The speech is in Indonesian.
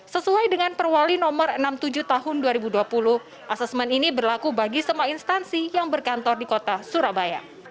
sesuai dengan perwali nomor enam puluh tujuh tahun dua ribu dua puluh asesmen ini berlaku bagi semua instansi yang berkantor di kota surabaya